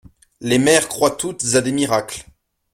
Les mères croient toutes à des miracles.